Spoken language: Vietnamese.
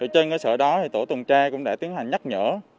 trên cơ sở đó tổ tuần tra cũng đã tiến hành nhắc nhở